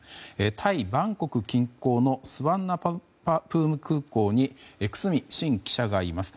タイ・バンコク近郊のスワンナプーム空港に久須美慎記者がいます。